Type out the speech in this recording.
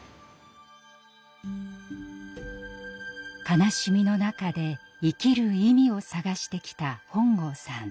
悲しみの中で生きる意味を探してきた本郷さん。